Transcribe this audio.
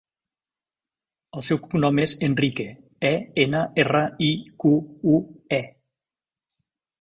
El seu cognom és Enrique: e, ena, erra, i, cu, u, e.